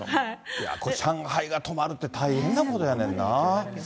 これ、上海が止まるって大変なことやねんな。